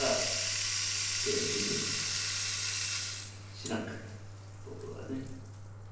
知らんかった僕らはね。